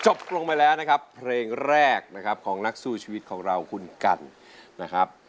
ลงไปแล้วนะครับเพลงแรกนะครับของนักสู้ชีวิตของเราคุณกันนะครับ